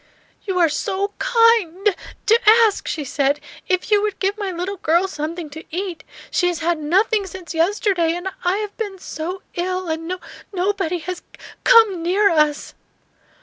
"You are so kin d to ask," she said. "If you would give my little girl something to eat! She has had nothing since yesterday, and I have been so ill; and no nobody has c ome near us!"